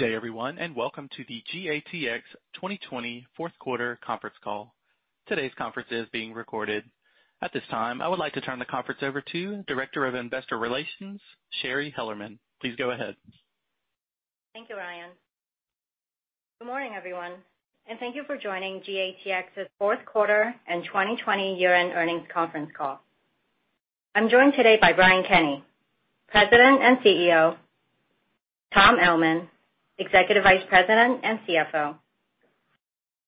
Good day everyone, and welcome to the GATX 2020 fourth quarter conference call. Today's conference is being recorded. At this time, I would like to turn the conference over to Director of Investor Relations, Shari Hellerman. Please go ahead. Thank you, Ryan. Good morning everyone, and thank you for joining GATX's fourth quarter and 2020 year-end earnings conference call. I'm joined today by Brian Kenney, President and CEO, Tom Ellman, Executive Vice President and CFO,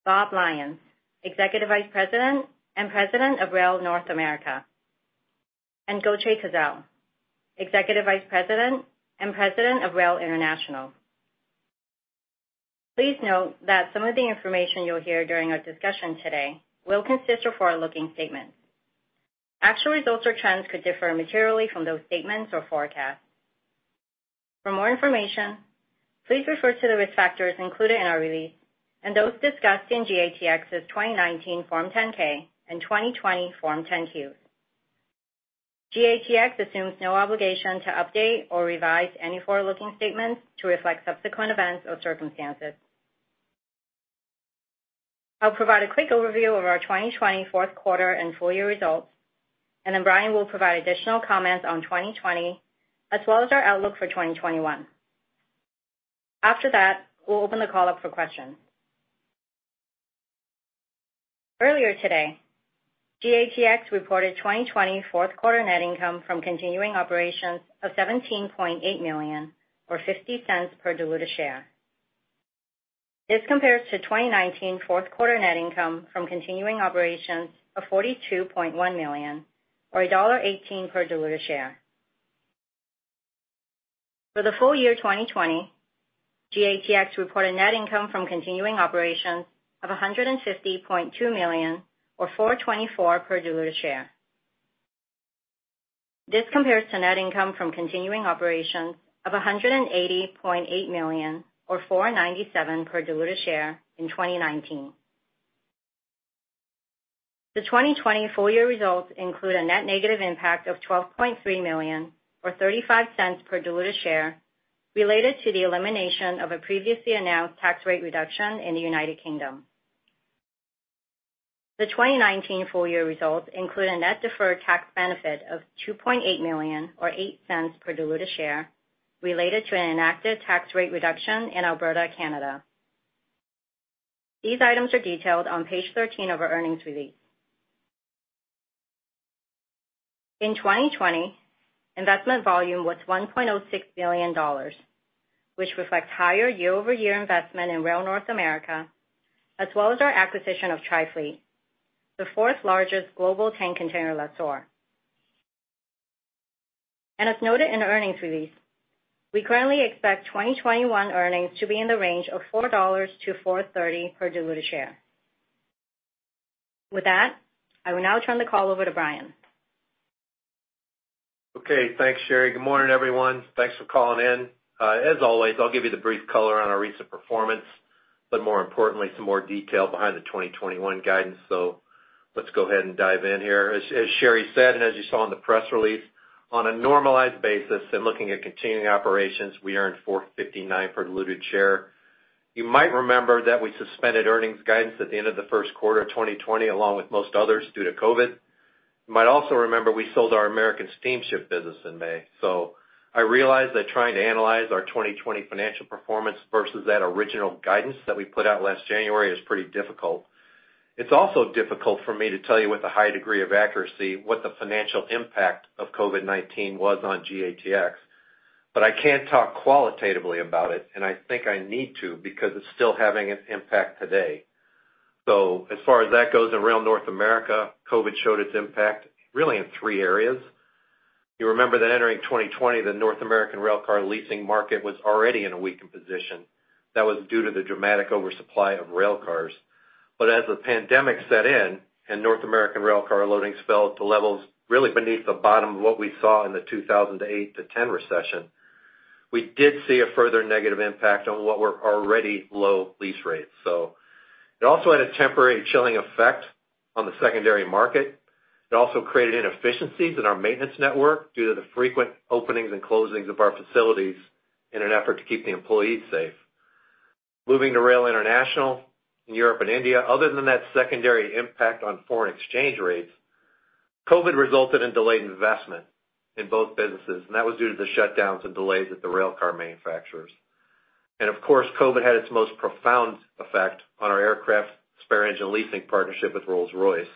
Bob Lyons, Executive Vice President and President of Rail North America, and Gokce Tezel, Executive Vice President and President of Rail International. Please note that some of the information you'll hear during our discussion today will consist of forward-looking statements. Actual results or trends could differ materially from those statements or forecasts. For more information, please refer to the risk factors included in our release and those discussed in GATX's 2019 Form 10-K and 2020 Form 10-Qs. GATX assumes no obligation to update or revise any forward-looking statements to reflect subsequent events or circumstances. I'll provide a quick overview of our 2020 fourth quarter and full year results, and then Brian will provide additional comments on 2020 as well as our outlook for 2021. After that, we'll open the call up for questions. Earlier today, GATX reported 2020 fourth quarter net income from continuing operations of $17.8 million, or $0.50 per diluted share. This compares to 2019 fourth quarter net income from continuing operations of $42.1 million, or $1.18 per diluted share. For the full year 2020, GATX reported net income from continuing operations of $150.2 million or $4.24 per diluted share. This compares to net income from continuing operations of $180.8 million or $4.97 per diluted share in 2019. The 2020 full year results include a net negative impact of $12.3 million or $0.35 per diluted share related to the elimination of a previously announced tax rate reduction in the U.K. The 2019 full year results include a net deferred tax benefit of $2.8 million or $0.08 per diluted share related to an enacted tax rate reduction in Alberta, Canada. These items are detailed on page 13 of our earnings release. In 2020, investment volume was $1.06 billion, which reflects higher year-over-year investment in Rail North America, as well as our acquisition of Trifleet, the fourth largest global tank container lessor. As noted in the earnings release, we currently expect 2021 earnings to be in the range of $4 to $4.30 per diluted share. With that, I will now turn the call over to Brian. Okay. Thanks, Shari. Good morning, everyone. Thanks for calling in. As always, I'll give you the brief color on our recent performance, but more importantly, some more detail behind the 2021 guidance. Let's go ahead and dive in here. As Shari said, and as you saw in the press release, on a normalized basis and looking at continuing operations, we earned $4.59 per diluted share. You might remember that we suspended earnings guidance at the end of the first quarter of 2020, along with most others, due to COVID-19. You might also remember we sold our American Steamship Company in May. I realize that trying to analyze our 2020 financial performance versus that original guidance that we put out last January is pretty difficult. It's also difficult for me to tell you with a high degree of accuracy what the financial impact of COVID-19 was on GATX, but I can talk qualitatively about it, and I think I need to, because it's still having an impact today. As far as that goes in Rail North America, COVID showed its impact really in three areas. You remember that entering 2020, the North American rail car leasing market was already in a weakened position. That was due to the dramatic oversupply of rail cars. As the pandemic set in and North American rail car loadings fell to levels really beneath the bottom of what we saw in the 2008 to 2010 recession, we did see a further negative impact on what were already low lease rates. It also had a temporary chilling effect on the secondary market. It also created inefficiencies in our maintenance network due to the frequent openings and closings of our facilities in an effort to keep the employees safe. Moving to Rail International in Europe and India, other than that secondary impact on foreign exchange rates, COVID resulted in delayed investment in both businesses, that was due to the shutdowns and delays at the rail car manufacturers. Of course, COVID had its most profound effect on our aircraft spare engine leasing partnership with Rolls-Royce.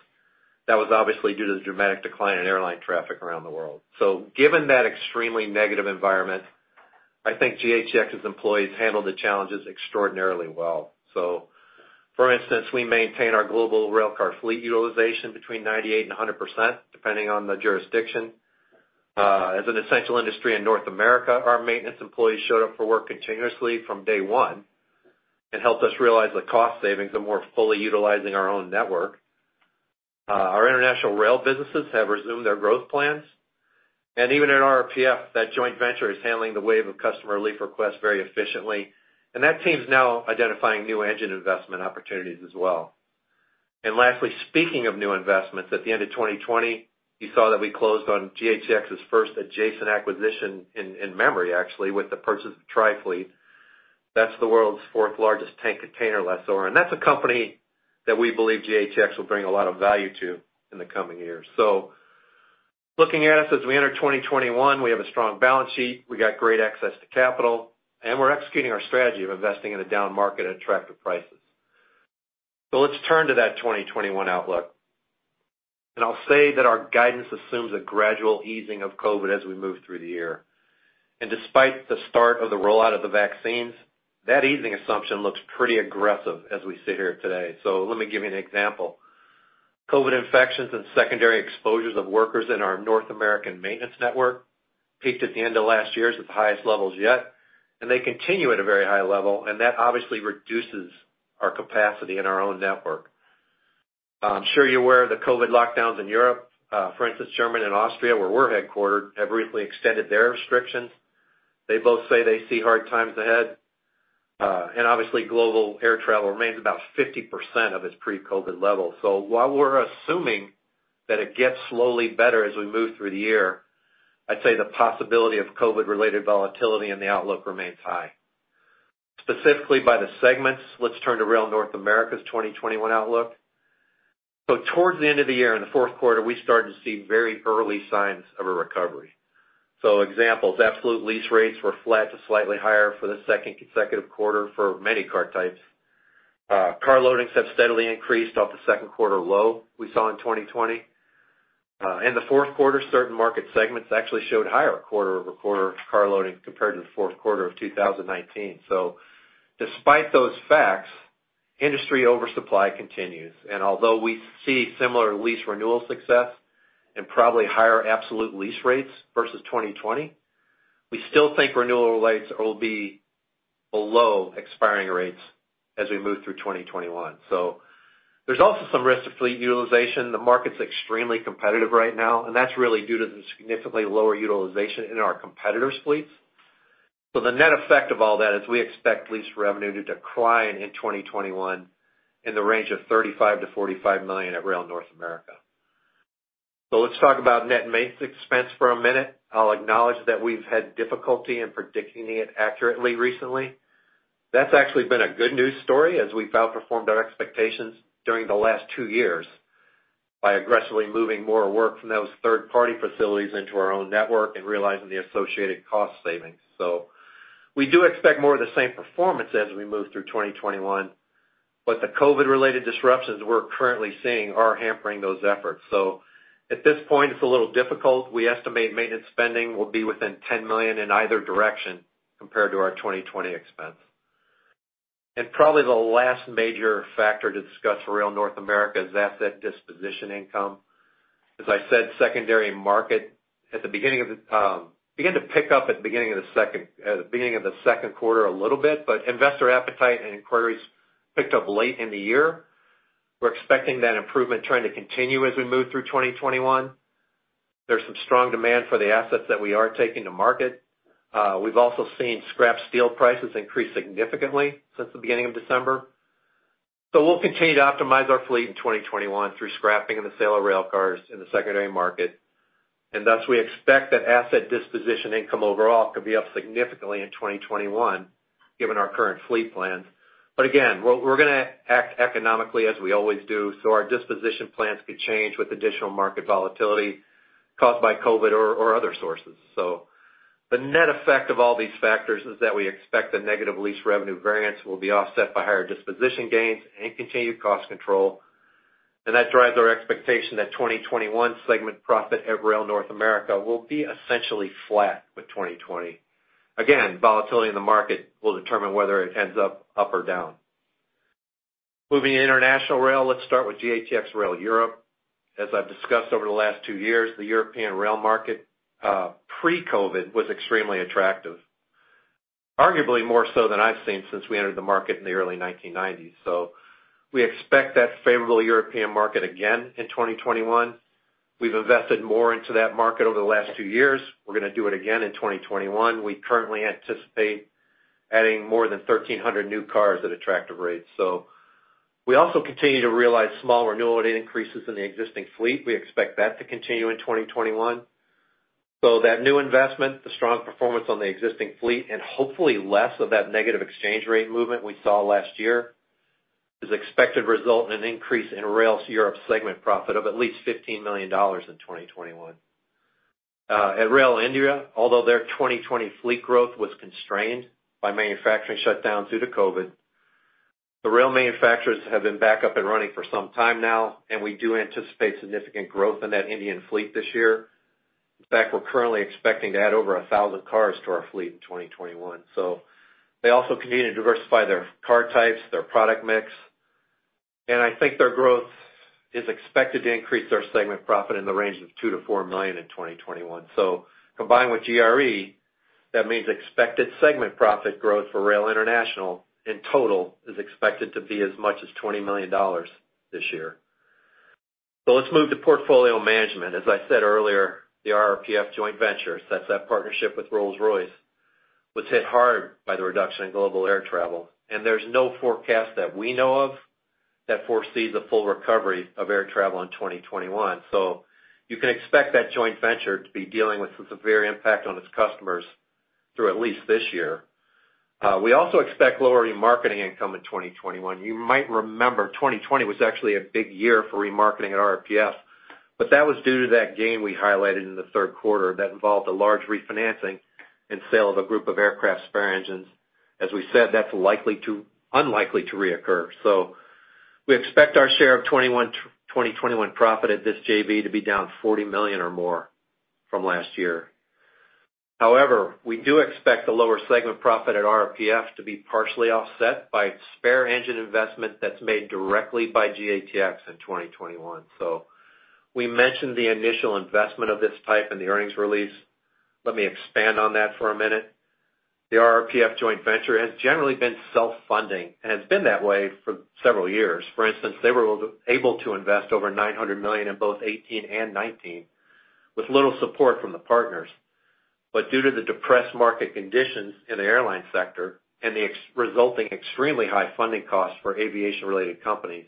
That was obviously due to the dramatic decline in airline traffic around the world. Given that extremely negative environment, I think GATX's employees handled the challenges extraordinarily well. For instance, we maintain our global rail car fleet utilization between 98% and 100%, depending on the jurisdiction. As an essential industry in North America, our maintenance employees showed up for work continuously from day one and helped us realize the cost savings of more fully utilizing our own network. Our International Rail businesses have resumed their growth plans, even in RRPF, that joint venture is handling the wave of customer relief requests very efficiently, and that team's now identifying new engine investment opportunities as well. Lastly, speaking of new investments, at the end of 2020, you saw that we closed on GATX first adjacent acquisition in memory, actually, with the purchase of Trifleet. That's the world's fourth largest tank container lessor, and that's a company that we believe GATX will bring a lot of value to in the coming years. Looking at us as we enter 2021, we have a strong balance sheet, we got great access to capital, and we're executing our strategy of investing in a down market at attractive prices. Let's turn to that 2021 outlook. I'll say that our guidance assumes a gradual easing of COVID as we move through the year. Despite the start of the rollout of the vaccines, that easing assumption looks pretty aggressive as we sit here today. Let me give you an example. COVID infections and secondary exposures of workers in our North American maintenance network peaked at the end of last year at the highest levels yet, and they continue at a very high level, and that obviously reduces our capacity in our own network. I'm sure you're aware of the COVID lockdowns in Europe, for instance, Germany and Austria, where we're headquartered, have recently extended their restrictions. They both say they see hard times ahead. Obviously, global air travel remains about 50% of its pre-COVID levels. While we're assuming that it gets slowly better as we move through the year, I'd say the possibility of COVID-related volatility in the outlook remains high. Specifically, by the segments, let's turn to Rail North America's 2021 outlook. Towards the end of the year, in the fourth quarter, we started to see very early signs of a recovery. Examples, absolute lease rates were flat to slightly higher for the second consecutive quarter for many car types. Car loadings have steadily increased off the second quarter low we saw in 2020. In the fourth quarter, certain market segments actually showed higher quarter-over-quarter car loading compared to the fourth quarter of 2019. Despite those facts, industry oversupply continues. Although we see similar lease renewal success and probably higher absolute lease rates versus 2020, we still think renewal rates will be below expiring rates as we move through 2021. There's also some risk to fleet utilization. The market's extremely competitive right now, and that's really due to the significantly lower utilization in our competitors' fleets. The net effect of all that is we expect lease revenue to decline in 2021 in the range of $35 million-$45 million at Rail North America. Let's talk about net maintenance expense for a minute. I'll acknowledge that we've had difficulty in predicting it accurately recently. That's actually been a good news story as we've outperformed our expectations during the last two years by aggressively moving more work from those third-party facilities into our own network and realizing the associated cost savings. We do expect more of the same performance as we move through 2021, but the COVID-related disruptions we're currently seeing are hampering those efforts. At this point, it's a little difficult. We estimate maintenance spending will be within $10 million in either direction compared to our 2020 expense. Probably the last major factor to discuss for Rail North America is asset disposition income. As I said, secondary market began to pick up at the beginning of the second quarter a little bit, but investor appetite and inquiries picked up late in the year. We're expecting that improvement trend to continue as we move through 2021. There's some strong demand for the assets that we are taking to market. We've also seen scrap steel prices increase significantly since the beginning of December. We'll continue to optimize our fleet in 2021 through scrapping and the sale of railcars in the secondary market. Thus, we expect that asset disposition income overall could be up significantly in 2021 given our current fleet plans. Again, we're going to act economically as we always do, our disposition plans could change with additional market volatility caused by COVID-19 or other sources. The net effect of all these factors is that we expect the negative lease revenue variance will be offset by higher disposition gains and continued cost control. That drives our expectation that 2021 segment profit at Rail North America will be essentially flat with 2020. Volatility in the market will determine whether it ends up or down. Moving to International Rail, let's start with GATX Rail Europe. As I've discussed over the last two years, the European rail market, pre-COVID, was extremely attractive. Arguably, more so than I've seen since we entered the market in the early 1990s. We expect that favorable European market again in 2021. We've invested more into that market over the last two years. We're going to do it again in 2021. We currently anticipate adding more than 1,300 new cars at attractive rates. We also continue to realize small renewal and increases in the existing fleet. We expect that to continue in 2021. That new investment, the strong performance on the existing fleet, and hopefully less of that negative exchange rate movement we saw last year, is expected to result in an increase in Rail Europe segment profit of at least $15 million in 2021. At Rail India, although their 2020 fleet growth was constrained by manufacturing shutdowns due to COVID-19, the rail manufacturers have been back up and running for some time now, and we do anticipate significant growth in that Indian fleet this year. In fact, we're currently expecting to add over 1,000 cars to our fleet in 2021. They also continue to diversify their car types, their product mix, and I think their growth is expected to increase their segment profit in the range of $2 million-$4 million in 2021. Combined with GRE, that means expected segment profit growth for Rail International in total is expected to be as much as $20 million this year. Let's move to portfolio management. As I said earlier, the RRPF joint venture, so that's that partnership with Rolls-Royce, was hit hard by the reduction in global air travel. There's no forecast that we know of that foresees a full recovery of air travel in 2021. You can expect that joint venture to be dealing with the severe impact on its customers through at least this year. We also expect lower remarketing income in 2021. You might remember 2020 was actually a big year for remarketing at RRPF, but that was due to that gain we highlighted in the third quarter that involved a large refinancing and sale of a group of aircraft spare engines. As we said, that's unlikely to reoccur. We expect our share of 2021 profit at this JV to be down $40 million or more from last year. However, we do expect the lower segment profit at RRPF to be partially offset by spare engine investment that's made directly by GATX in 2021. We mentioned the initial investment of this type in the earnings release. Let me expand on that for a minute. The RRPF joint venture has generally been self-funding and has been that way for several years. For instance, they were able to invest over $900 million in both 2018 and 2019 with little support from the partners. Due to the depressed market conditions in the airline sector and the resulting extremely high funding costs for aviation-related companies,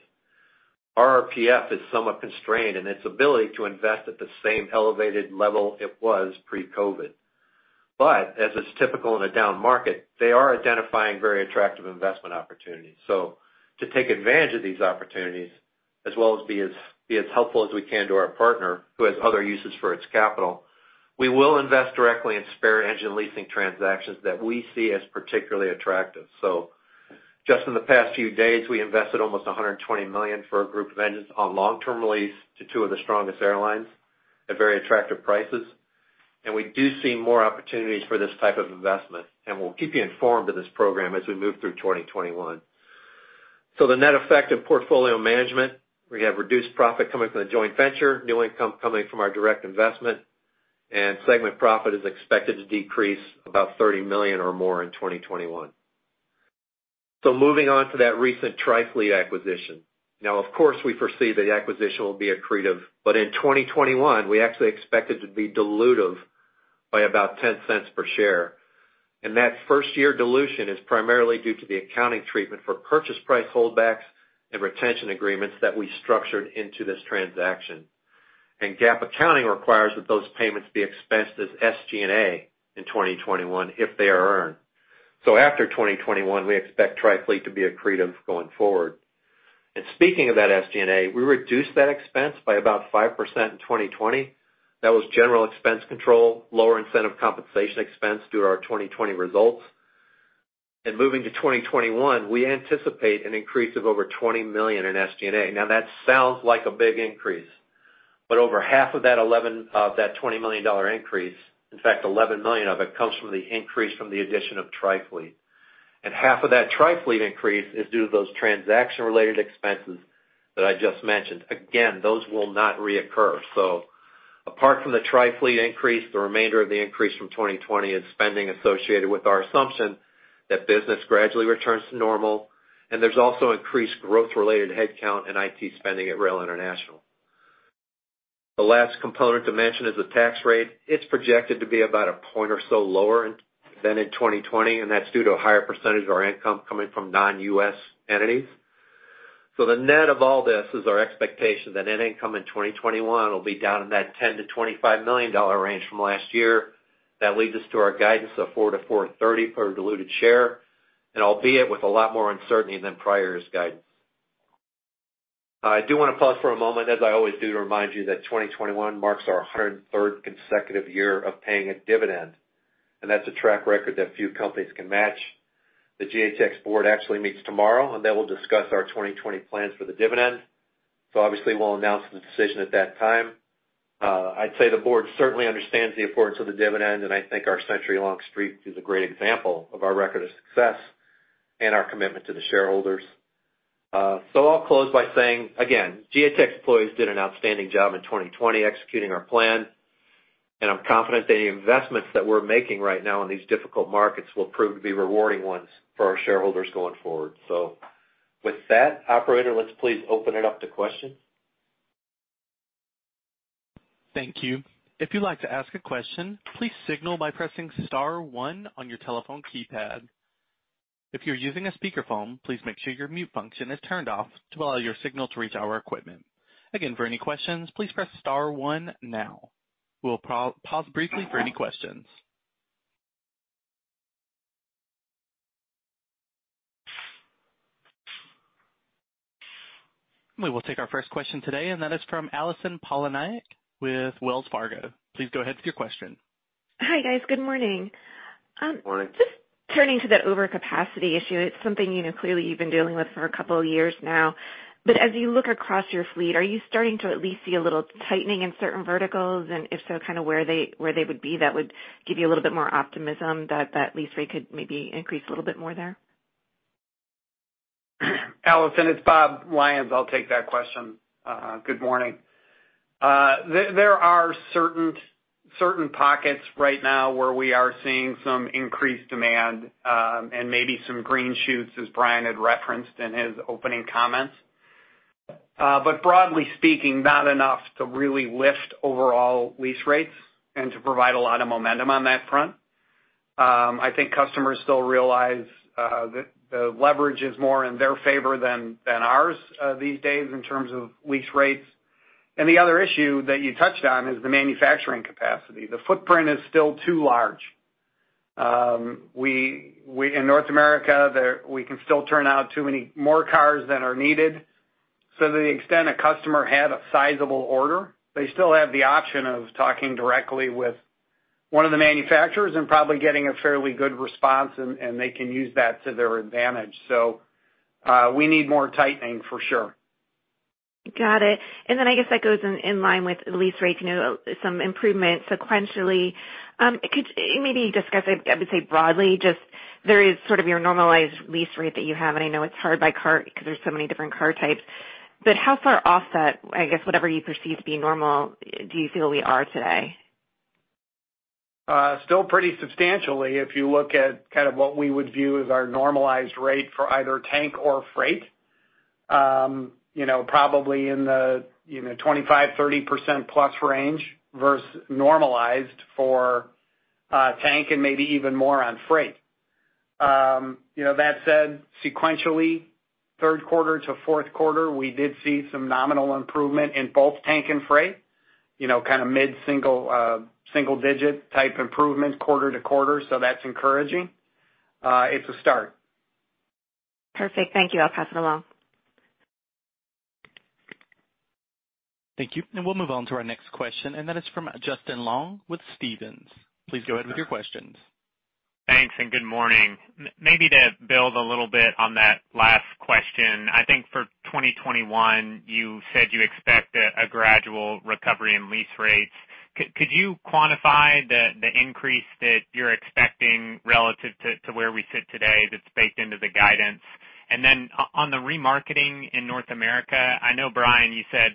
RRPF is somewhat constrained in its ability to invest at the same elevated level it was pre-COVID-19. As is typical in a down market, they are identifying very attractive investment opportunities. To take advantage of these opportunities as well as be as helpful as we can to our partner, who has other uses for its capital, we will invest directly in spare engine leasing transactions that we see as particularly attractive. Just in the past few days, we invested almost $120 million for a group of engines on long-term lease to two of the strongest airlines at very attractive prices. We do see more opportunities for this type of investment, and we'll keep you informed of this program as we move through 2021. The net effect of portfolio management, we have reduced profit coming from the joint venture, new income coming from our direct investment, and segment profit is expected to decrease about $30 million or more in 2021. Moving on to that recent Trifleet acquisition. Now, of course, we foresee the acquisition will be accretive, but in 2021, we actually expect it to be dilutive by about $0.10 per share. That first-year dilution is primarily due to the accounting treatment for purchase price holdbacks and retention agreements that we structured into this transaction. GAAP accounting requires that those payments be expensed as SG&A in 2021 if they are earned. After 2021, we expect Trifleet to be accretive going forward. Speaking of that SG&A, we reduced that expense by about 5% in 2020. That was general expense control, lower incentive compensation expense due to our 2020 results. Moving to 2021, we anticipate an increase of over $20 million in SG&A. That sounds like a big increase, but over half of that $20 million increase, in fact, $11 million of it comes from the increase from the addition of Trifleet. Half of that Trifleet increase is due to those transaction-related expenses that I just mentioned. Again, those will not reoccur. Apart from the Trifleet increase, the remainder of the increase from 2020 is spending associated with our assumption that business gradually returns to normal, and there's also increased growth-related headcount and IT spending at Rail International. The last component to mention is the tax rate. It's projected to be about a point or so lower than in 2020, and that's due to a higher percentage of our income coming from non-U.S. entities. The net of all this is our expectation that net income in 2021 will be down in that $10 million-$25 million range from last year. That leads us to our guidance of $4-$4.30 per diluted share, albeit with a lot more uncertainty than prior year's guidance. I do want to pause for a moment, as I always do, to remind you that 2021 marks our 103rd consecutive year of paying a dividend, that's a track record that few companies can match. The GATX board actually meets tomorrow, they will discuss our 2020 plans for the dividend. Obviously, we'll announce the decision at that time. I'd say the board certainly understands the importance of the dividend, I think our century-long streak is a great example of our record of success and our commitment to the shareholders. I'll close by saying again, GATX employees did an outstanding job in 2020 executing our plan, and I'm confident the investments that we're making right now in these difficult markets will prove to be rewarding ones for our shareholders going forward. With that, operator, let's please open it up to questions. Thank you. If you'd like to ask a question, please signal by pressing star one on your telephone keypad. If you're using a speakerphone, please make sure your mute function is turned off to allow your signal to reach our equipment. Again, for any questions, please press star one now. We will pause briefly for any questions. We will take our first question today, and that is from Allison Poliniak with Wells Fargo. Please go ahead with your question. Hi guys, good morning. Just turning to the overcapacity issue. It's something that clearly you've been dealing with for a couple of years now, but as you look across your fleet, are you starting to at least see a little tightening in certain verticals, and if so, where they would be that would give you a little bit more optimism that at least could may be increase a little bit more there. Allison, it's Bob Lyons. I'll take that question. Good morning. There are certain pockets right now where we are seeing some increased demand, and maybe some green shoots as Brian had referenced in his opening comments. Broadly speaking, not enough to really lift overall lease rates and to provide a lot of momentum on that front. I think customers still realize the leverage is more in their favor than ours these days in terms of lease rates. The other issue that you touched on is the manufacturing capacity. The footprint is still too large. In North America, we can still turn out too many more cars than are needed. To the extent a customer had a sizable order, they still have the option of talking directly with one of the manufacturers and probably getting a fairly good response, and they can use that to their advantage. We need more tightening for sure. Got it. I guess that goes in line with lease rate, some improvement sequentially. Could you maybe discuss it, I would say broadly, just there is sort of your normalized lease rate that you have, I know it's hard by car because there's so many different car types, how far offset, I guess, whatever you perceive to be normal, do you feel we are today? Still pretty substantially. You look at kind of what we would view as our normalized rate for either tank or freight. Probably in the 25%-30%+ range versus normalized for tank and maybe even more on freight. That said, sequentially, third quarter to fourth quarter, we did see some nominal improvement in both tank and freight, kind of mid-single digit type improvement quarter to quarter. That's encouraging. It's a start. Perfect. Thank you. I'll pass it along. Thank you. We'll move on to our next question, and that is from Justin Long with Stephens. Please go ahead with your questions. Thanks, and good morning. Maybe to build a little bit on that last question, I think for 2021, you said you expect a gradual recovery in lease rates. Could you quantify the increase that you're expecting relative to where we sit today that's baked into the guidance? On the remarketing in North America, I know, Brian, you said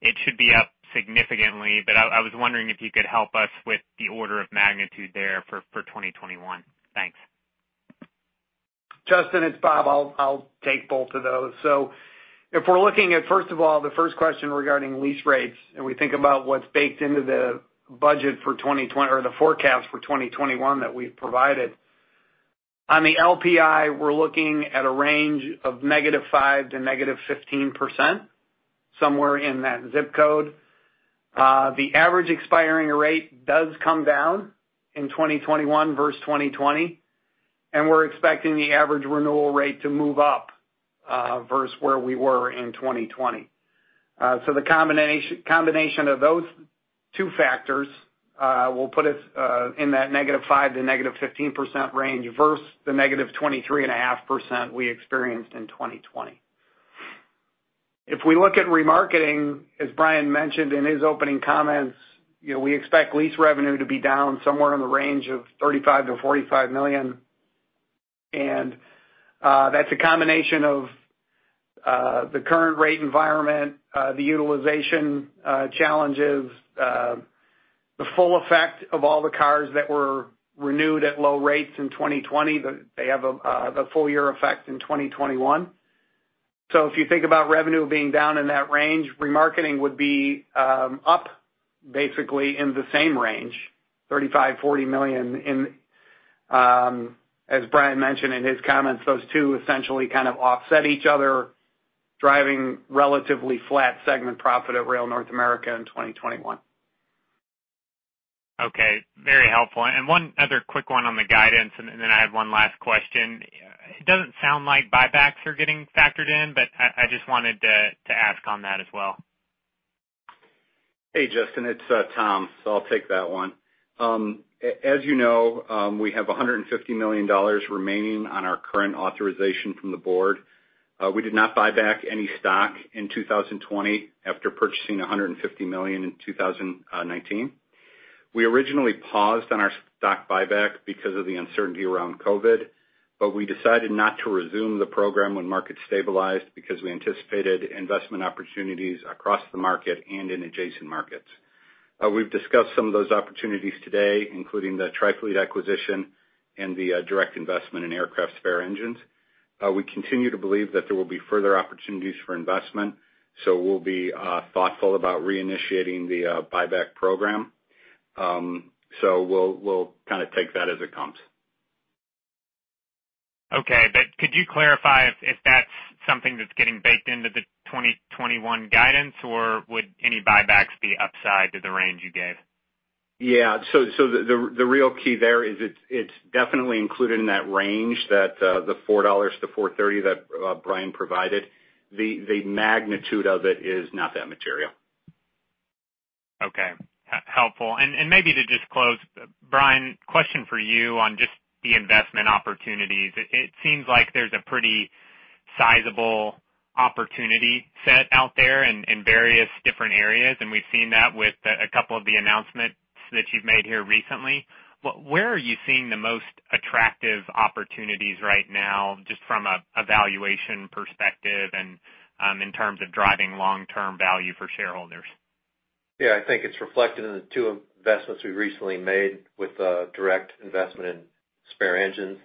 it should be up significantly, but I was wondering if you could help us with the order of magnitude there for 2021. Thanks. Justin, it's Bob. I'll take both of those. If we're looking at, first of all, the first question regarding lease rates, and we think about what's baked into the budget or the forecast for 2021 that we've provided. On the LPI, we're looking at a range of -5% to -15%, somewhere in that zip code. The average expiring rate does come down in 2021 versus 2020, and we're expecting the average renewal rate to move up, versus where we were in 2020. The combination of those two factors will put us in that -5% to -15% range versus the -23.5% we experienced in 2020. If we look at remarketing, as Brian mentioned in his opening comments, we expect lease revenue to be down somewhere in the range of $35 million-$45 million. That's a combination of the current rate environment, the utilization challenges. The full effect of all the cars that were renewed at low rates in 2020, they have a full year effect in 2021. If you think about revenue being down in that range, remarketing would be up basically in the same range, $35 million-$40 million. As Brian mentioned in his comments, those two essentially kind of offset each other, driving relatively flat segment profit at Rail North America in 2021. Okay. Very helpful. One other quick one on the guidance, and then I have one last question. It doesn't sound like buybacks are getting factored in, but I just wanted to ask on that as well. Justin, it's Tom. I'll take that one. As you know, we have $150 million remaining on our current authorization from the board. We did not buy back any stock in 2020 after purchasing $150 million in 2019. We originally paused on our stock buyback because of the uncertainty around COVID-19. We decided not to resume the program when markets stabilized because we anticipated investment opportunities across the market and in adjacent markets. We've discussed some of those opportunities today, including the Trifleet acquisition and the direct investment in Aircraft Spare Engines. We continue to believe that there will be further opportunities for investment. We'll be thoughtful about reinitiating the buyback program. We'll kind of take that as it comes. Okay, could you clarify if that's something that's getting baked into the 2021 guidance, or would any buybacks be upside to the range you gave? Yeah. The real key there is it's definitely included in that range, the $4-$4.30 that Brian provided. The magnitude of it is not that material. Okay. Helpful. Maybe to just close, Brian, question for you on just the investment opportunities. It seems like there's a pretty sizable opportunity set out there in various different areas, and we've seen that with a couple of the announcement that you've made here recently. Where are you seeing the most attractive opportunities right now, just from a valuation perspective and in terms of driving long-term value for shareholders? Yeah, I think it's reflected in the two investments we recently made with the direct investment in spare engines,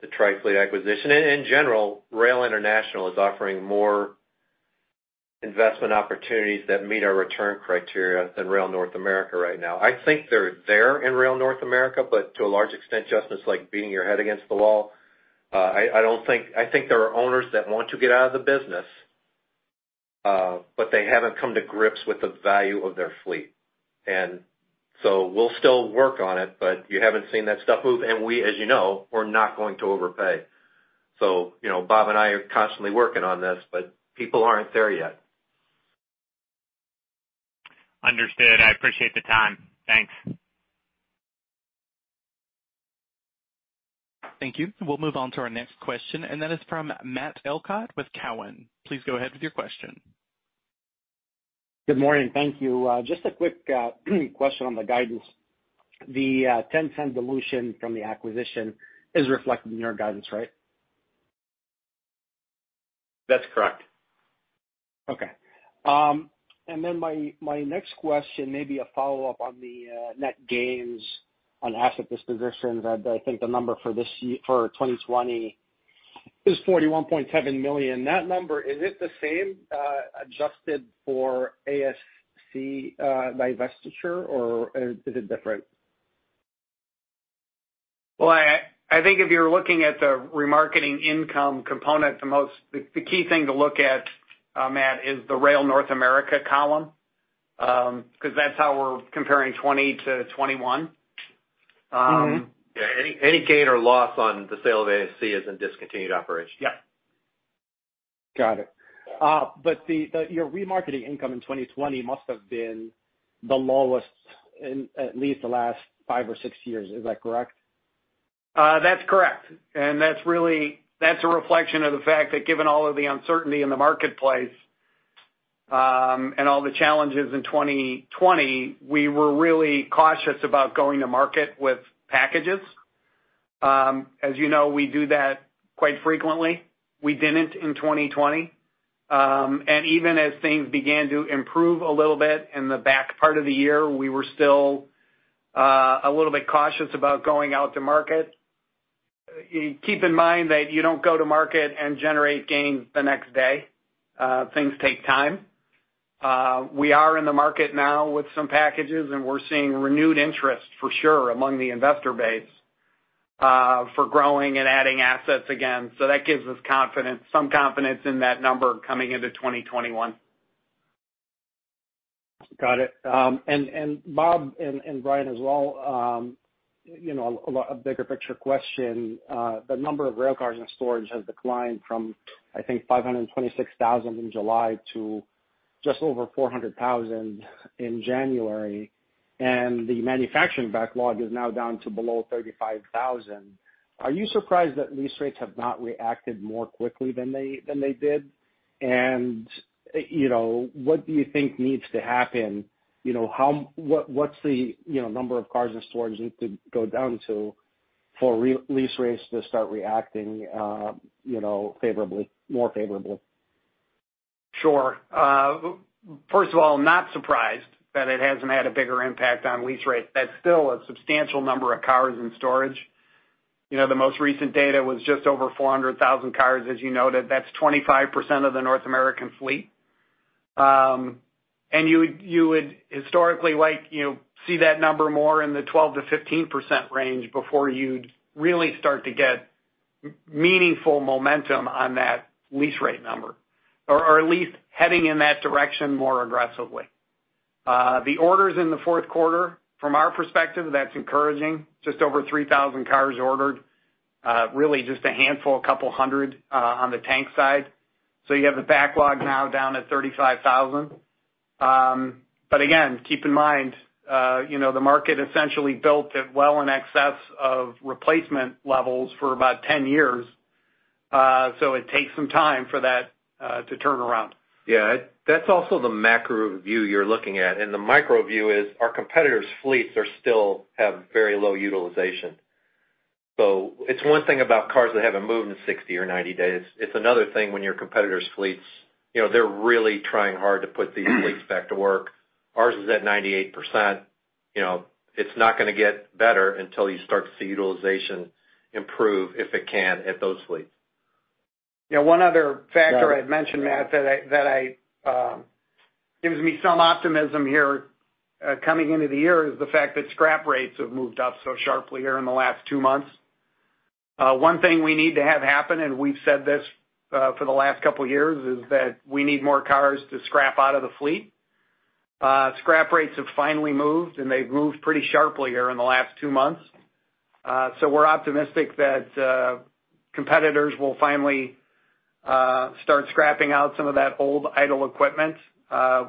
the Trifleet acquisition. In general, Rail International is offering more investment opportunities that meet our return criteria than Rail North America right now. I think they're there in Rail North America, but to a large extent, Justin, it's like beating your head against the wall. I think there are owners that want to get out of the business, but they haven't come to grips with the value of their fleet. We'll still work on it, but you haven't seen that stuff move. We, as you know, we're not going to overpay. Bob and I are constantly working on this, but people aren't there yet. Understood. I appreciate the time. Thanks. Thank you. We'll move on to our next question. That is from Matt Elkott with Cowen. Please go ahead with your question. Good morning. Thank you. Just a quick question on the guidance. The $0.10 dilution from the acquisition is reflected in your guidance, right? That's correct. Okay. My next question, maybe a follow-up on the net gains on asset dispositions. I think the number for this year, for 2020, is $41.7 million. That number, is it the same, adjusted for ASC divestiture, or is it different? Well, I think if you're looking at the remarketing income component, the key thing to look at, Matt, is the Rail North America column, because that's how we're comparing 2020 to 2021. Yeah, any gain or loss on the sale of ASC is in discontinued operations. Yep. Got it. Your remarketing income in 2020 must have been the lowest in at least the last five or six years. Is that correct? That's correct. That's a reflection of the fact that given all of the uncertainty in the marketplace, and all the challenges in 2020, we were really cautious about going to market with packages. As you know, we do that quite frequently. We didn't in 2020. Even as things began to improve a little bit in the back part of the year, we were still a little bit cautious about going out to market. Keep in mind that you don't go to market and generate gains the next day. Things take time. We are in the market now with some packages, and we're seeing renewed interest for sure among the investor base, for growing and adding assets again. That gives us some confidence in that number coming into 2021. Got it. Bob and Brian as well, a bigger picture question. The number of railcars in storage has declined from, I think, 526,000 in July to just over 400,000 in January, and the manufacturing backlog is now down to below 35,000. Are you surprised that lease rates have not reacted more quickly than they did? What do you think needs to happen? What's the number of cars in storage need to go down to for lease rates to start reacting more favorably? Sure. First of all, not surprised that it hasn't had a bigger impact on lease rates. That's still a substantial number of cars in storage. The most recent data was just over 400,000 cars, as you noted. That's 25% of the North American fleet. You would historically like, see that number more in the 12%-15% range before you'd really start to get meaningful momentum on that lease rate number, or at least heading in that direction more aggressively. The orders in the fourth quarter, from our perspective, that's encouraging. Just over 3,000 cars ordered. Really just a handful, a couple hundred, on the tank side. You have the backlog now down to 35,000. Again, keep in mind, the market essentially built at well in excess of replacement levels for about 10 years. It takes some time for that to turn around. Yeah. That's also the macro view you're looking at, and the micro view is our competitors' fleets still have very low utilization. It's one thing about cars that haven't moved in 60 or 90 days. It's another thing when your competitors' fleets, they're really trying hard to put these fleets back to work. Ours is at 98%. It's not going to get better until you start to see utilization improve, if it can, at those fleets. Yeah, one other factor I'd mention, Matt, that gives me some optimism here, coming into the year is the fact that scrap rates have moved up so sharply here in the last two months. One thing we need to have happen, we've said this for the last couple of years, is that we need more cars to scrap out of the fleet. Scrap rates have finally moved, they've moved pretty sharply here in the last two months. We're optimistic that competitors will finally start scrapping out some of that old idle equipment.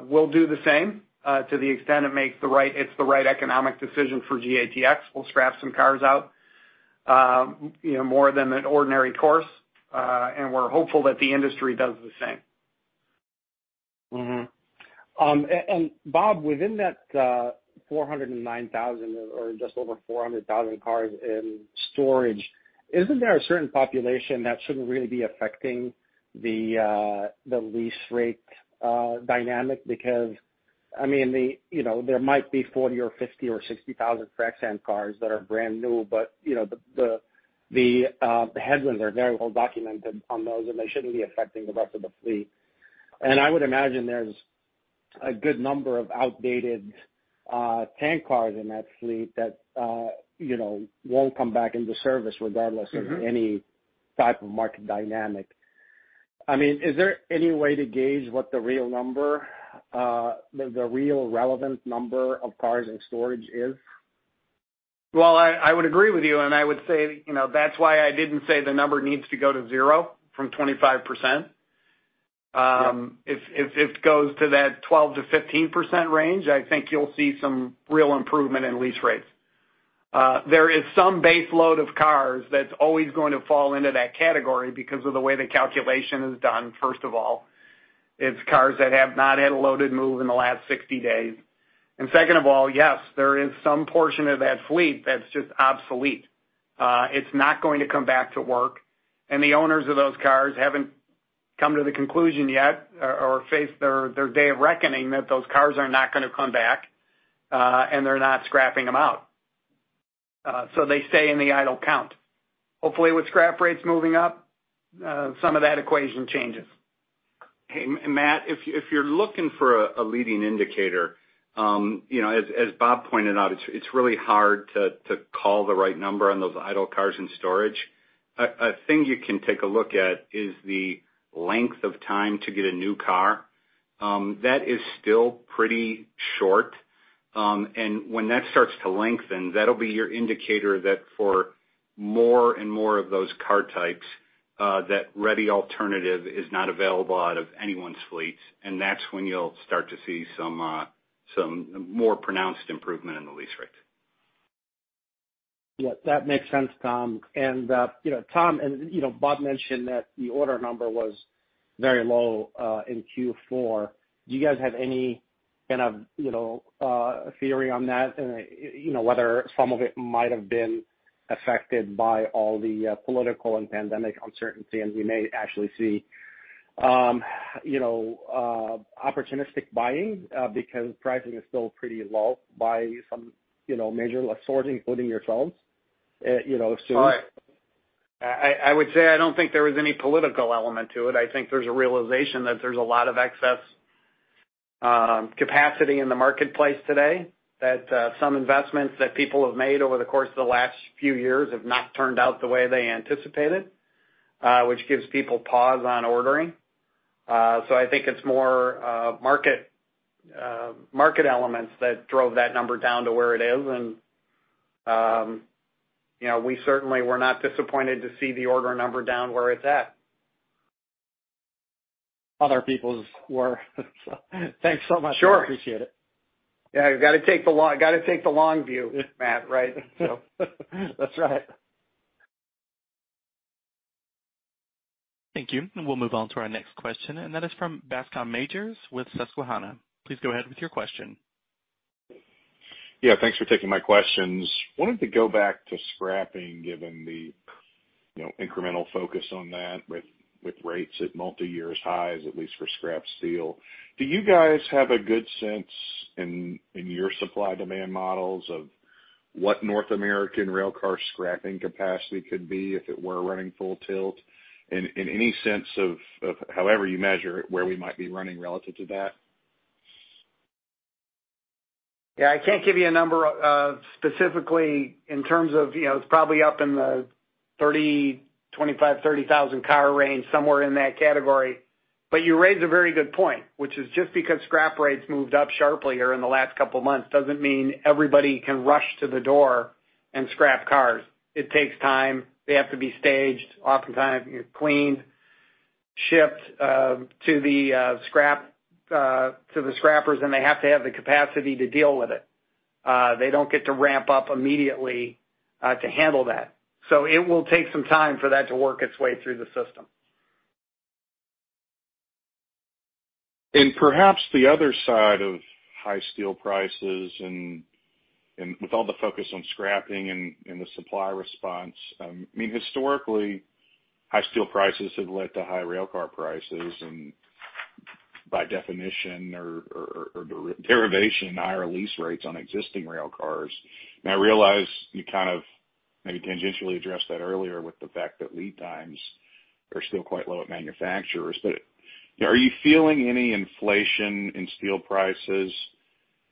We'll do the same, to the extent it's the right economic decision for GATX. We'll scrap some cars out, more than an ordinary course. We're hopeful that the industry does the same. Bob, within that 409,000 or just over 400,000 cars in storage, isn't there a certain population that shouldn't really be affecting the lease rate dynamic? There might be 40,000 or 50,000 or 60,000 frac sand cars that are brand new, but the headwinds are very well documented on those, and they shouldn't be affecting the rest of the fleet. I would imagine there's a good number of outdated tank cars in that fleet that won't come back into service regardless of any type of market dynamic. Is there any way to gauge what the real relevant number of cars in storage is? Well, I would agree with you, and I would say, that's why I didn't say the number needs to go to zero from 25%. If it goes to that 12%-15% range, I think you'll see some real improvement in lease rates. There is some base load of cars that's always going to fall into that category because of the way the calculation is done, first of all. It's cars that have not had a loaded move in the last 60 days. Second of all, yes, there is some portion of that fleet that's just obsolete. It's not going to come back to work, and the owners of those cars haven't come to the conclusion yet, or faced their day of reckoning, that those cars are not going to come back, and they're not scrapping them out. They stay in the idle count. Hopefully with scrap rates moving up, some of that equation changes. Hey, Matt, if you're looking for a leading indicator, as Bob pointed out, it's really hard to call the right number on those idle cars in storage. A thing you can take a look at is the length of time to get a new car. That is still pretty short. When that starts to lengthen, that'll be your indicator that for more and more of those car types, that ready alternative is not available out of anyone's fleets, and that's when you'll start to see some more pronounced improvement in the lease rates. Yeah, that makes sense, Tom. Tom and Bob mentioned that the order number was very low in Q4. Do you guys have any kind of theory on that, whether some of it might have been affected by all the political and pandemic uncertainty, and we may actually see opportunistic buying because pricing is still pretty low by some major lessors, including yourselves? Right. I would say I don't think there was any political element to it. I think there's a realization that there's a lot of excess capacity in the marketplace today, that some investments that people have made over the course of the last few years have not turned out the way they anticipated, which gives people pause on ordering. I think it's more market elements that drove that number down to where it is, and we certainly were not disappointed to see the order number down where it's at. Other peoples were. Thanks so much. Sure. Appreciate it. Yeah, you got to take the long view, Matt, right? That's right. Thank you. We'll move on to our next question, and that is from Bascome Majors with Susquehanna. Please go ahead with your question. Yeah, thanks for taking my questions. I wanted to go back to scrapping, given the incremental focus on that with rates at multiyear highs, at least for scrap steel. Do you guys have a good sense in your supply-demand models of what North American railcar scrapping capacity could be if it were running full tilt? Any sense of, however you measure it, where we might be running relative to that? Yeah, I can't give you a number specifically in terms of, it's probably up in the 25,000, 30,000 car range, somewhere in that category. You raise a very good point, which is just because scrap rates moved up sharply here in the last couple of months, doesn't mean everybody can rush to the door and scrap cars. It takes time. They have to be staged, oftentimes cleaned, shipped to the scrappers, and they have to have the capacity to deal with it. They don't get to ramp up immediately to handle that. It will take some time for that to work its way through the system. Perhaps the other side of high steel prices, and with all the focus on scrapping and the supply response, historically, high steel prices have led to high railcar prices, and by definition or derivation, higher lease rates on existing railcars. Now, I realize you kind of maybe tangentially addressed that earlier with the fact that lead times are still quite low at manufacturers, but are you feeling any inflation in steel prices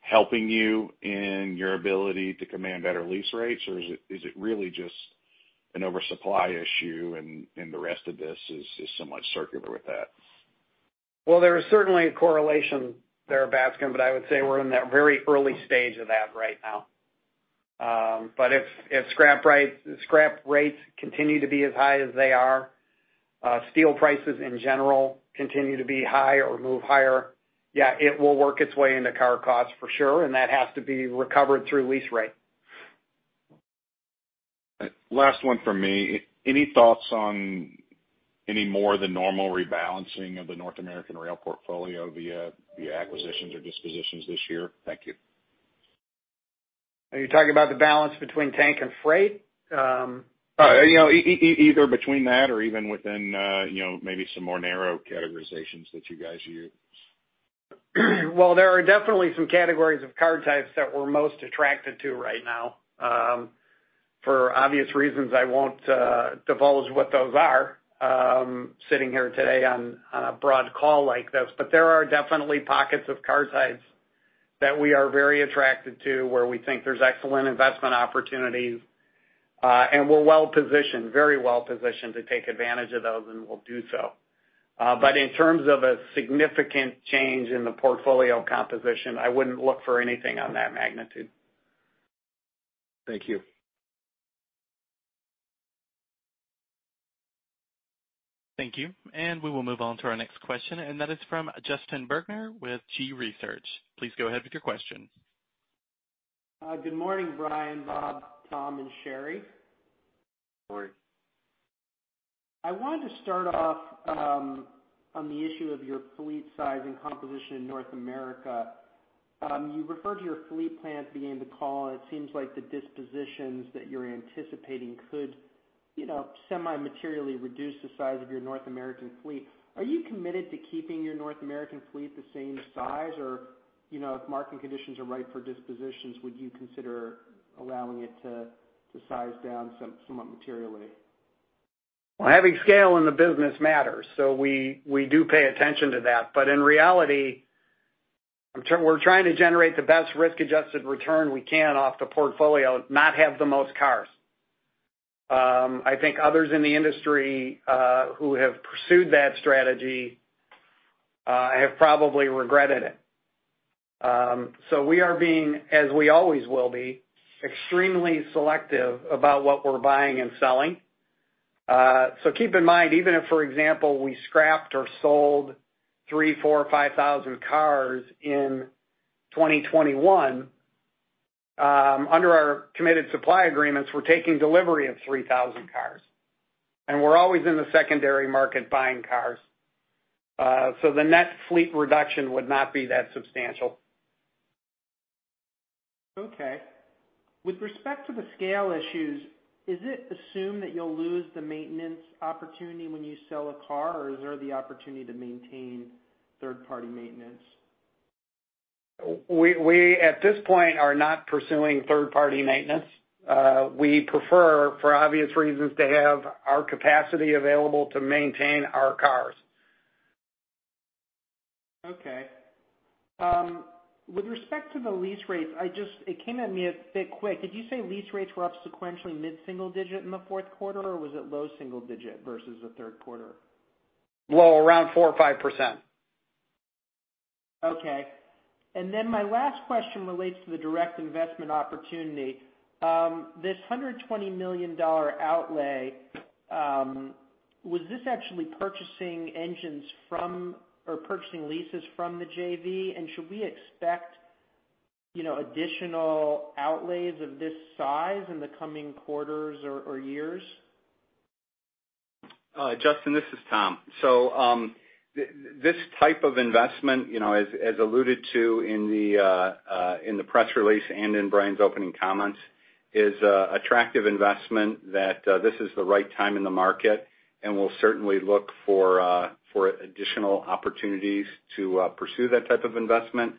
helping you in your ability to command better lease rates, or is it really just an oversupply issue and the rest of this is somewhat circular with that? Well, there is certainly a correlation there, Bascome, but I would say we're in that very early stage of that right now. If scrap rates continue to be as high as they are, steel prices in general continue to be high or move higher, yeah, it will work its way into car costs for sure, and that has to be recovered through lease rate. Last one from me. Any thoughts on any more than normal rebalancing of the North American rail portfolio via acquisitions or dispositions this year? Thank you. Are you talking about the balance between tank and freight? Either between that or even within maybe some narrower categorizations that you guys use. Well, there are definitely some categories of car types that we're most attracted to right now. For obvious reasons, I won't divulge what those are, sitting here today on a broad call like this. There are definitely pockets of car types that we are very attracted to, where we think there's excellent investment opportunities. We're well-positioned, very well-positioned to take advantage of those, and we'll do so. In terms of a significant change in the portfolio composition, I wouldn't look for anything on that magnitude. Thank you. Thank you. We will move on to our next question, and that is from Justin Bergner with G.Research. Please go ahead with your question. Good morning, Brian, Bob, Tom, and Shari. Good morning. I wanted to start off on the issue of your fleet size and composition in North America. You referred to your fleet plans at the beginning of the call, and it seems like the dispositions that you're anticipating could semi-materially reduce the size of your North American fleet. Are you committed to keeping your North American fleet the same size? Or, if market conditions are right for dispositions, would you consider allowing it to size down somewhat materially? Having scale in the business matters, we do pay attention to that. In reality, we're trying to generate the best risk-adjusted return we can off the portfolio, not have the most cars. I think others in the industry, who have pursued that strategy, have probably regretted it. We are being, as we always will be, extremely selective about what we're buying and selling. Keep in mind, even if, for example, we scrapped or sold three, four, 5,000 cars in 2021, under our committed supply agreements, we're taking delivery of 3,000 cars. We're always in the secondary market buying cars. The net fleet reduction would not be that substantial. Okay. With respect to the scale issues, is it assumed that you'll lose the maintenance opportunity when you sell a car, or is there the opportunity to maintain third-party maintenance? We, at this point, are not pursuing third-party maintenance. We prefer, for obvious reasons, to have our capacity available to maintain our cars. Okay. With respect to the lease rates, it came at me a bit quick. Did you say lease rates were up sequentially mid-single digit in the fourth quarter, or was it low single digit versus the third quarter? Low, around 4% or 5%. Okay. My last question relates to the direct investment opportunity. This $120 million outlay, was this actually purchasing engines from or purchasing leases from the JV? Should we expect additional outlays of this size in the coming quarters or years? Justin, this is Tom. This type of investment, as alluded to in the press release and in Brian's opening comments, is attractive investment that this is the right time in the market, and we'll certainly look for additional opportunities to pursue that type of investment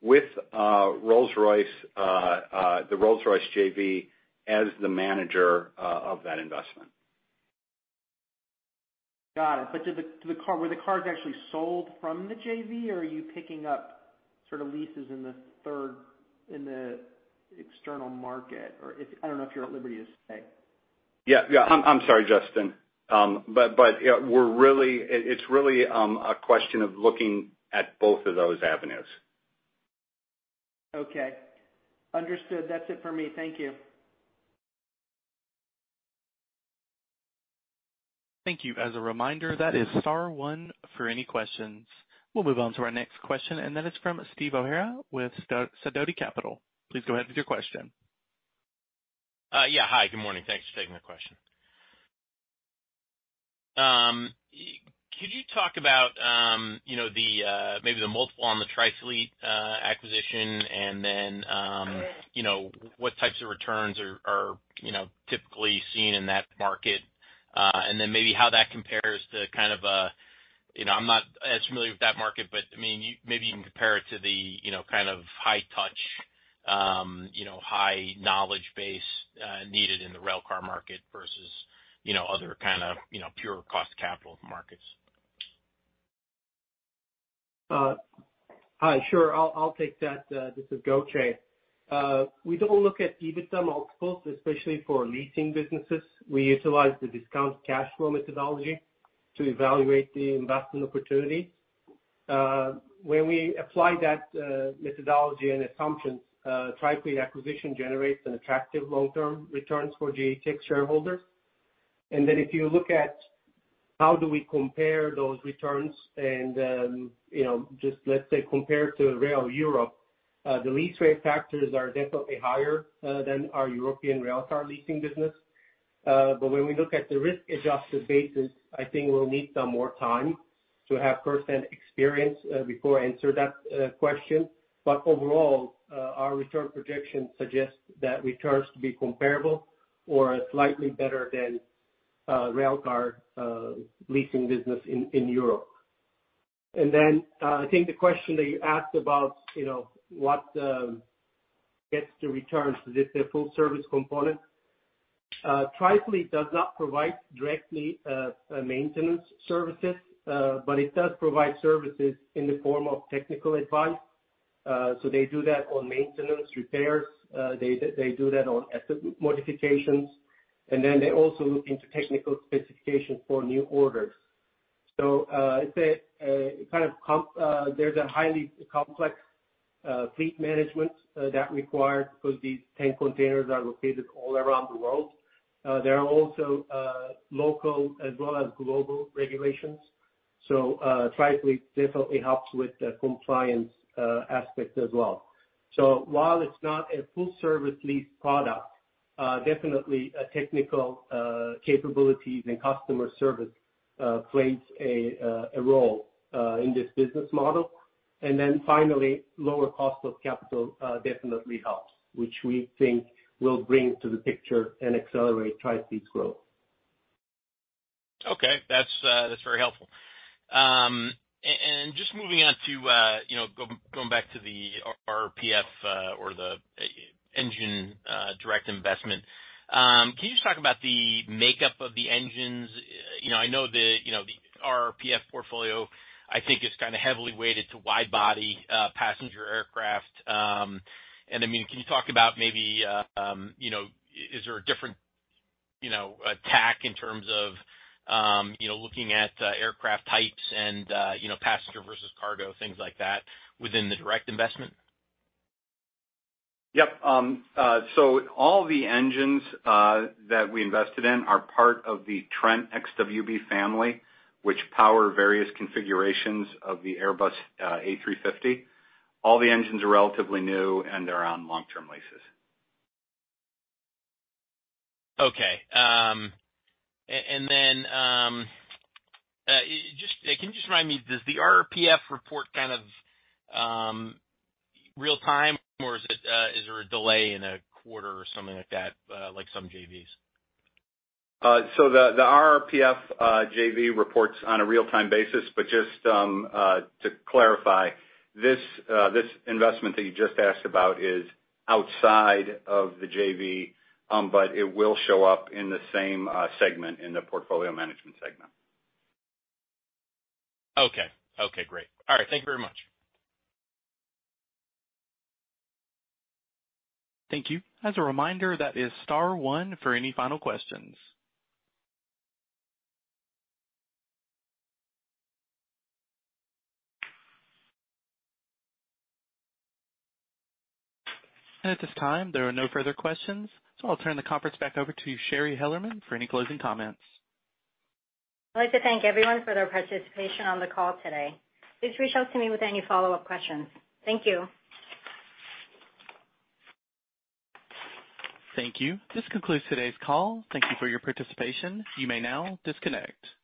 with the Rolls-Royce JV as the manager of that investment. Got it. Were the cars actually sold from the JV, or are you picking up sort of leases in the third, in the external market? I don't know if you're at liberty to say. Yeah. I'm sorry, Justin. It's really a question of looking at both of those avenues. Okay. Understood. That's it for me. Thank you. Thank you. As a reminder, that is star one for any questions. We'll move on to our next question, that is from Steve O'Hara with Sidoti Capital. Please go ahead with your question. Yeah. Hi, good morning. Thanks for taking the question. Could you talk about maybe the multiple on the Trifleet acquisition and then what types of returns are typically seen in that market? Maybe how that compares to kind of I'm not as familiar with that market, but maybe you can compare it to the kind of high touch, high knowledge base needed in the railcar market versus other kind of pure cost capital markets. Hi, sure. I'll take that. This is Gokce. We don't look at EBITDA multiples, especially for leasing businesses. We utilize the discount cash flow methodology to evaluate the investment opportunity. When we apply that methodology and assumptions, Trifleet acquisition generates attractive long-term returns for GATX shareholders. Then if you look at how do we compare those returns and just, let's say, compare to Rail Europe, the lease rate factors are definitely higher than our European railcar leasing business. When we look at the risk-adjusted basis, I think we'll need some more time to have firsthand experience before I answer that question. Overall, our return projection suggests that returns to be comparable or slightly better than railcar leasing business in Europe. Then I think the question that you asked about what gets the returns, is it a full service component? Trifleet does not provide directly maintenance services, but it does provide services in the form of technical advice. They do that on maintenance repairs, they do that on asset modifications, they also look into technical specifications for new orders. There's a highly complex fleet management that requires, because these tank containers are located all around the world. There are also local as well as global regulations. Trifleet definitely helps with the compliance aspect as well. While it's not a full service lease product, definitely a technical capabilities and customer service plays a role in this business model. Finally, lower cost of capital definitely helps, which we think will bring to the picture and accelerate Trifleet's growth. Okay. That's very helpful. Going back to the RRPF or the engine direct investment. Can you just talk about the makeup of the engines? I know the RRPF portfolio, I think, is kind of heavily weighted to wide-body passenger aircraft. Can you talk about maybe, is there a different tack in terms of looking at aircraft types and passenger versus cargo, things like that, within the direct investment? Yep. All the engines that we invested in are part of the Trent XWB family, which power various configurations of the Airbus A350. All the engines are relatively new, and they're on long-term leases. Okay. Can you just remind me, does the RRPF report kind of real time, or is there a delay in a quarter or something like that, like some JVs? The RRPF JV reports on a real-time basis. Just to clarify, this investment that you just asked about is outside of the JV, but it will show up in the same segment, in the portfolio management segment. Okay. Okay, great. All right. Thank you very much. Thank you. As a reminder, that is star one for any final questions. At this time, there are no further questions, I'll turn the conference back over to you, Shari Hellerman, for any closing comments. I'd like to thank everyone for their participation on the call today. Please reach out to me with any follow-up questions. Thank you. Thank you. This concludes today's call. Thank you for your participation. You may now disconnect.